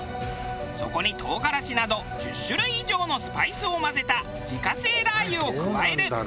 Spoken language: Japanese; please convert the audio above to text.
そこに唐辛子など１０種類以上のスパイスを混ぜた自家製ラー油を加える。